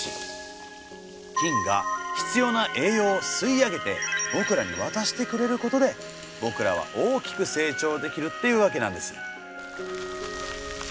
菌が必要な栄養を吸い上げて僕らに渡してくれることで僕らは大きく成長できるっていうわけなんです。